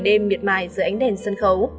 đêm miệt mài giữa ánh đèn sân khấu